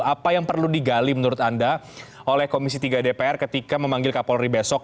apa yang perlu digali menurut anda oleh komisi tiga dpr ketika memanggil kapolri besok